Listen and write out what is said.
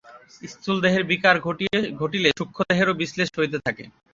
স্থূলদেহের বিকার ঘটিলে সূক্ষ্মদেহেরও বিশ্লেষ হইতে থাকে।